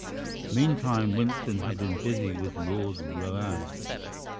Meantime Winston had been busy with Lord Roane.